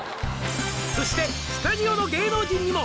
「そしてスタジオの芸能人にも」